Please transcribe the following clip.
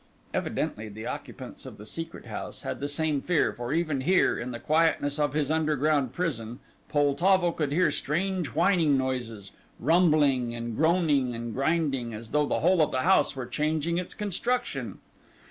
Evidently the occupants of the Secret House had the same fear, for even here, in the quietness of his underground prison, Poltavo could hear strange whining noises, rumbling, and groaning and grinding, as though the whole of the house were changing its construction.